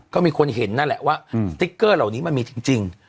ก็มีคนเห็นนั่นแหละว่าสติ๊กเกอร์เหล่านี้มันมีจริง